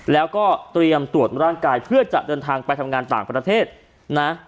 แล้วก็เตรียมตรวจร่างกายเพื่อจะเดินทางไปทำงานต่างประเทศนะ